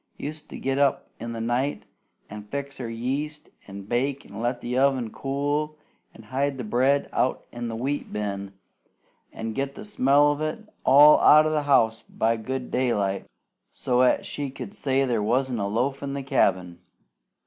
Used to get up in the night, an' fix her yeast, an' bake, an' let the oven cool, an' hide the bread out in the wheat bin, an' get the smell of it all out o' the house by good daylight, so's 'at she could say there wasn't a loaf in the cabin.